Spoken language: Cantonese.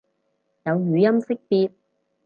有語音識別